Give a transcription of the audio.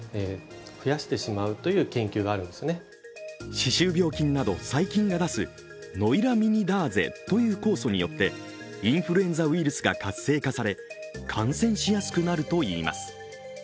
歯周病菌など細菌が出すノイラミニダーゼという酵素によってインフルエンザウイルスが活性化され感染しやすくなるといいます。